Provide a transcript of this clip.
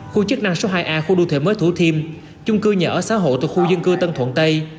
khu chức năng số hai a khu đu thệ mới thủ thiêm chung cư nhà ở xã hội từ khu dân cư tân thuận tây